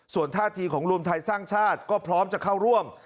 ส่วนท่าทีของรวมไทยสร้างชาติก็พร้อมจะเข้าร่วม